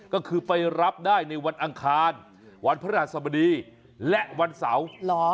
ก็คือไปรับได้ในวันอังคารวันพระราชสมดีและวันเสาร์